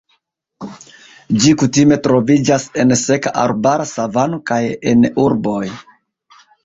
Ĝi kutime troviĝas en seka arbara savano kaj en urboj.